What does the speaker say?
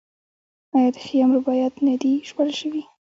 آیا د خیام رباعیات نه دي ژباړل شوي؟